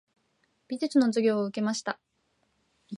美術の授業を受けました。